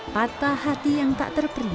pata hati yang tak terperih